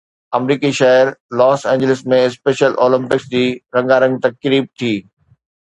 آمريڪي شهر Los Angeles ۾ special Olympics جي رنگارنگ تقريب ٿي